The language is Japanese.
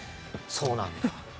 そうなんだ。